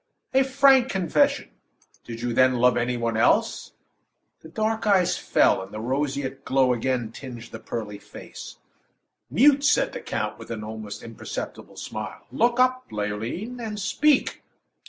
"A frank confession! Did you, then, love any one else?" The dark eyes fell, and the roseate glow again tinged the pearly face. "Mute!" said the count, with an almost imperceptible smile. "Look up, Leoline, and speak."